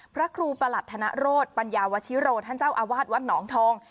พระครูประหลัดธนโรธปัญญาวชิโรท่านเจ้าอาวาสวัดหนองทอง